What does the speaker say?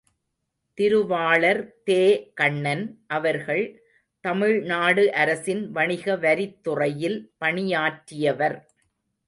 திருவாளர் தே.கண்ணன் அவர்கள் தமிழ்நாடு அரசின் வணிக வரித்துறையில் பணியாற்றியவர்.